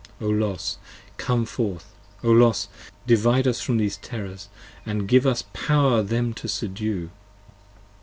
O Los come forth, O Los Divide us from these terrors & give us power them to subdue.